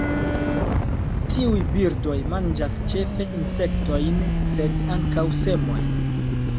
Tiuj birdoj manĝas ĉefe insektojn sed ankaŭ semojn.